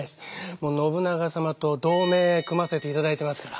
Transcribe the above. もう信長様と同盟組ませていただいてますから。